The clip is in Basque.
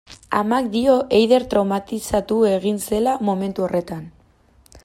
Amak dio Eider traumatizatu egin zela momentu horretan.